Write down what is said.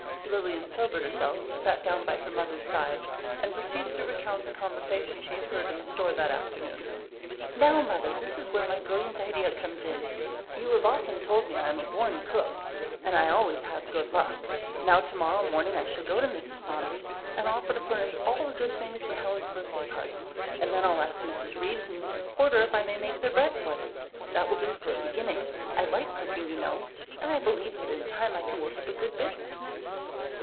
Lilian sobered herself, sat down by her mother's side, and proceeded to recount the conversation she had heard in the store that afternoon. "Now, Mother, this is where my brilliant idea comes in. You have often told me I am a born cook and I always have good luck. Now, tomorrow morning I shall go to Mrs. Saunders and offer to furnish all the good things for Helen's birthday party, and then I'll ask Mrs. Reeves and Mrs. Porter if I may make their bread for them. That will do for a beginning, I like cooking, you know, and I believe that in time I can work up a good business."